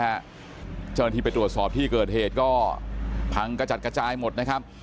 เจ้าหน้าที่ไปตรวจสอบที่เกิดเหตุก็พังกระจัดกระจายหมดนะครับ